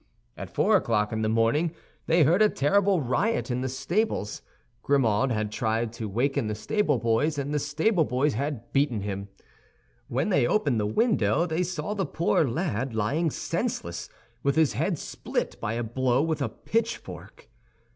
At four o'clock in the morning they heard a terrible riot in the stables. Grimaud had tried to waken the stable boys, and the stable boys had beaten him. When they opened the window, they saw the poor lad lying senseless, with his head split by a blow with a pitchfork.